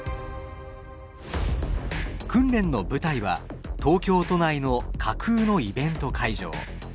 訓練の舞台は東京都内の架空のイベント会場。